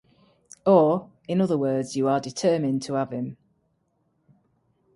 Or, in other words, you are determined to have him.